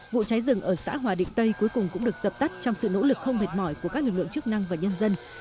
vụ cháy rừng ở xã hòa định tây cuối cùng cũng được dập tắt trong sự nỗ lực không mệt mỏi của các lực lượng chức năng và nhân dân